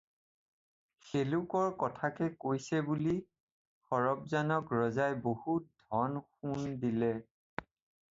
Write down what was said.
শেলুকৰ কথাহে কৈছে বুলি সৰব্জানক ৰজাই বহুত ধন-সোণ দিলে।